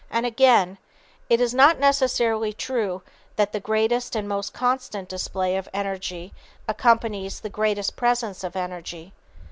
And again: "It is not necessarily true that the greatest and most constant display of energy accompanies the greatest presence of energy.